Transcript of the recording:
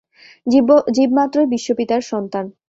জীবমাত্রই বিশ্বপিতার সন্তান।